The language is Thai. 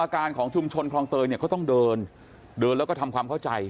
คนคลองเตยเนี่ยก็ต้องเดินแล้วก็ทำความเข้าใจ